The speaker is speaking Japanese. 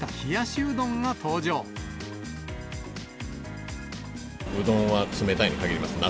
うどんは冷たいのに限ります。